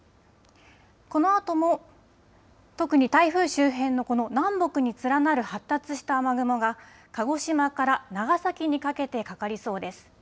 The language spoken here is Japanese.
このあとも特に台風周辺のこの南北に連なる発達した雨雲が鹿児島から長崎にかけてかかりそうです。